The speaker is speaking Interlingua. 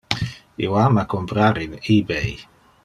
Io ama comprar in eBay.